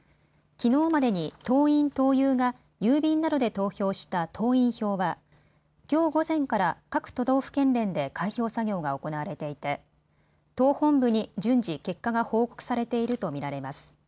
きのうまでに党員・党友が郵便などで投票した党員票はきょう午前から各都道府県連で開票作業が行われていて党本部に順次、結果が報告されていると見られます。